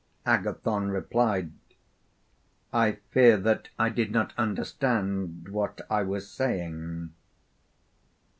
Agathon replied: I fear that I did not understand what I was saying.